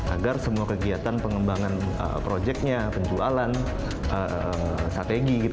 agar semua kegiatan pengembangan proyeknya penjualan strategi